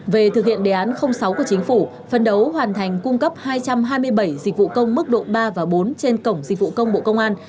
về thực hiện đề án sáu của chính phủ phân đấu hoàn thành cung cấp hai trăm hai mươi bảy dịch vụ công mức độ ba và bốn trên cổng dịch vụ công bộ công an